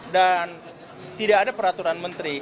dan tidak ada peraturan menteri